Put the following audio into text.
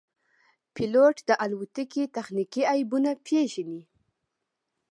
پیلوټ د الوتکې تخنیکي عیبونه پېژني.